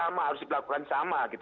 tapi itu harus dilakukan sama